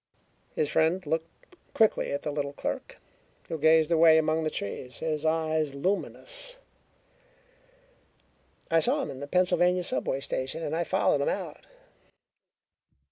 His friend looked quickly at the little clerk, who gazed away among the trees, his eyes luminous. "I saw him in the Pennsylvania subway station, and I followed him out.